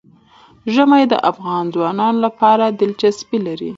ژمی د افغان ځوانانو لپاره دلچسپي لري.